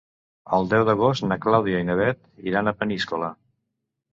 El deu d'agost na Clàudia i na Bet iran a Peníscola.